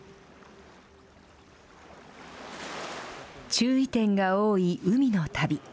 注意点が多い海の旅。